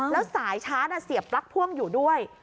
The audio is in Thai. แล้วสายชาร์จเสียบปลั๊กพ่วงอยู่ด้วย